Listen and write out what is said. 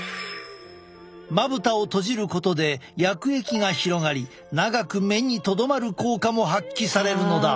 まぶたを閉じることで薬液が広がり長く目にとどまる効果も発揮されるのだ！